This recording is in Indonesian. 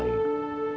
murid yang baik